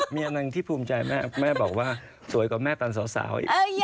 เมียนางที่ภูมิใจแม่แม่บอกว่าสวยกว่าแม่ตอนสาว